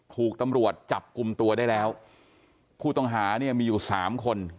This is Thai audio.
ถูกตำรวจจับกลุ่มตัวได้แล้วผู้ต้องหาเนี่ยมีอยู่สามคน